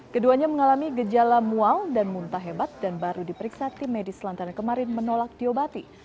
keduanya mengalami gejala mual dan muntah hebat dan baru diperiksa tim medis lantaran kemarin menolak diobati